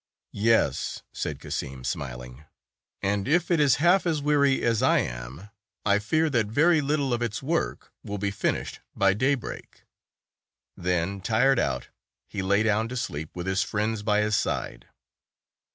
"Yes," said Cassim, smiling; "and if it is half as weary as I am, I fear that very little of its work will be finished by daybreak." Then, tired out, he lay down to sleep, with his friends by his side.